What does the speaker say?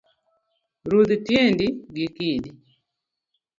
Rudh tiendi gi kidi